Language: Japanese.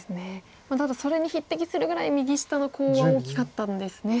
ただそれに匹敵するぐらい右下のコウは大きかったんですね。